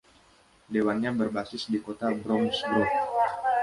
Dewannya berbasis di kota Bromsgrove.